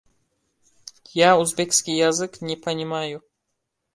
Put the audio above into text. — Ya uzbekskiy yazmk ne ponimayu!